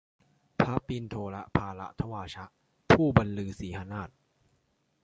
พระปิณโฑลภารทวาชะ ผู้บันลือสีหนาท